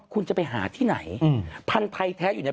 คุณจะไปหาที่ไหนพันธุ์ภัยแท้อยู่ใน